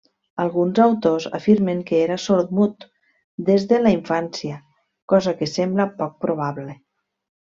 Alguns autors afirmen que era sordmut des de la infància, cosa que sembla poc probable.